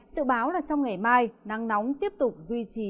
sự báo là trong ngày mai nắng nóng tiếp tục duy trì